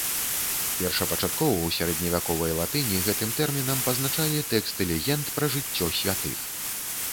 Першапачаткова ў сярэдневяковай латыні гэтым тэрмінам пазначалі тэксты легенд пра жыццё святых.